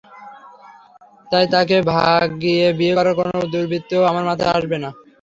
তাই তাকে ভাগিয়ে বিয়ে করার কোনো দুর্বুদ্ধিও আমার মাথায় আসবে না।